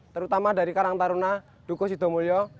terutama dari karang taruna duko sido mulyo